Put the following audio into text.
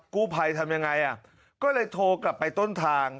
กู้ภัยทำยังไงอ่ะก็เลยโทรกลับไปต้นทาง